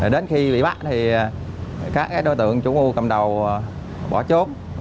đến khi bị bắt thì các đối tượng chủ mưu cầm đầu bỏ chốt